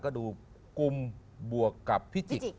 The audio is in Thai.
ก็ดูกุมบวกกับพิจิก